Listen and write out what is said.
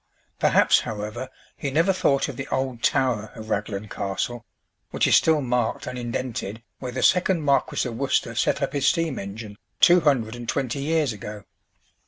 Perhaps, however, he never thought of the old tower of Raglan Castle, which is still marked and indented where the second Marquis of Worcester set up his steam engine two hundred and twenty years ago.